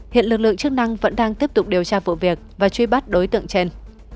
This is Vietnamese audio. hiện lực lượng chức năng vẫn đang tiếp tục điều tra vụ việc và truy bắt đối tượng trên